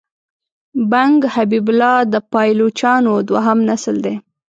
بنګ حبیب الله د پایلوچانو دوهم نسل دی.